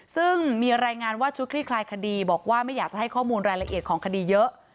ซึ่งมีรายงานว่าชุดคลี่คลายคดีบอกว่าไม่อยากจะให้ข้อมูลรายละเอียดของคดีเยอะ